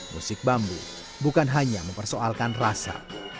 musik bambu bukan hanya mempersoalkan rasa